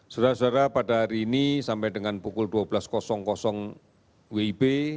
saudara saudara pada hari ini sampai dengan pukul dua belas wib